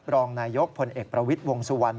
รองนายกพลเอกประวิทย์วงสุวรรณ